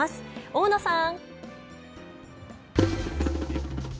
大野さん。